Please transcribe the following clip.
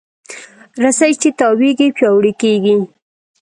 رسۍ چې تاوېږي، پیاوړې کېږي.